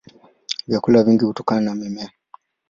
Vyakula vingi hutokana na mimea.